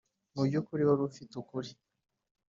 mubyukuri, wari ufite ukuri!